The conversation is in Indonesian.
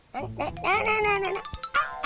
nah nah nah